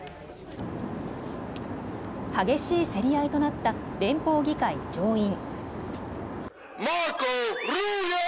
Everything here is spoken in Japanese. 激しい競り合いとなった連邦議会上院。